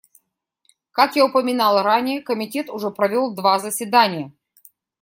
Как я упоминал ранее, Комитет уже провел два заседания.